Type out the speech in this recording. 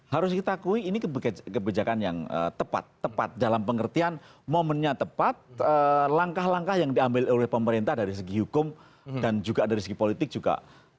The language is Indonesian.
harus kita akui ini kebijakan yang tepat tepat dalam pengertian momennya tepat langkah langkah yang diambil oleh pemerintah dari segi hukum dan juga dari segi politik juga